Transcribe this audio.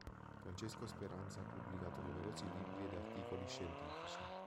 Francesco Speranza ha pubblicato numerosi libri ed articoli scientifici.